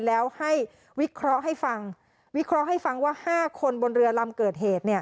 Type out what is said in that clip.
แล้วให้วิเคราะห์ให้ฟังวิเคราะห์ให้ฟังว่า๕คนบนเรือลำเกิดเหตุเนี่ย